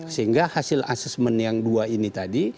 sehingga hasil asesmen yang dua ini tadi